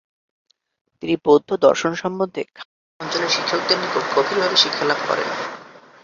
তিনি বৌদ্ধ দর্শন সম্বন্ধে খাম্স অঞ্চলের শিক্ষকদের নিকট গভীরভাবে শিক্ষালাভ করেন।